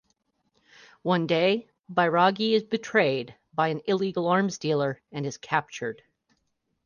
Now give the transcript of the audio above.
One day, Bairagi is betrayed by an illegal arms dealer and is captured.